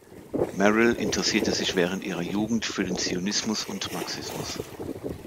Merril interessierte sich während ihrer Jugend für den Zionismus und Marxismus.